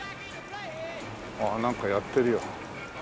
なんかやってるよ。